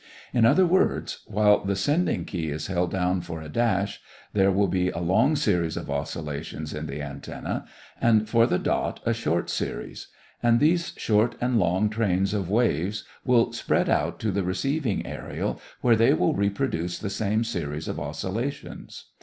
In other words, while the sending key is held down for a dash, there will be a long series of oscillations in the antenna, and for the dot a short series, and these short and long trains of waves will spread out to the receiving aërial where they will reproduce the same series of oscillations.